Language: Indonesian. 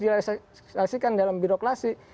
dilaksanakan dalam biroklasi